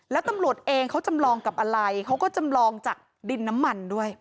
แล้วตำรวจเองเขาจำลองกับอะไรเขาก็จำลองจากดินน้ำมันด้วย